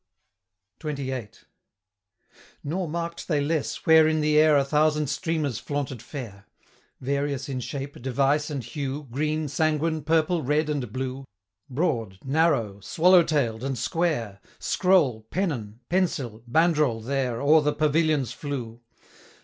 560 XXVIII. Nor mark'd they less, where in the air A thousand streamers flaunted fair; Various in shape, device, and hue, Green, sanguine, purple, red, and blue, Broad, narrow, swallow tail'd, and square, 565 Scroll, pennon, pensil, bandrol, there O'er the pavilions flew.